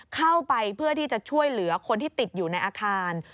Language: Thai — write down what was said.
เพื่อที่จะช่วยเหลือคนที่ติดอยู่ในอาคาร